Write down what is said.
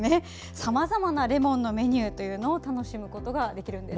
さまざまなレモンのメニューを楽しむことができるんです。